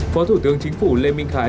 phó thủ tướng chính phủ lê minh khái